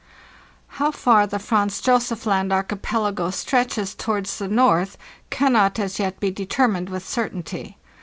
How far the Franz Josef Land archipelago stretches towards the north cannot as yet be determined with certainty.